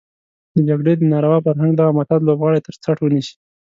د جګړې د ناروا فرهنګ دغه معتاد لوبغاړی تر څټ ونيسي.